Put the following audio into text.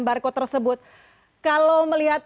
barcode tersebut kalau melihat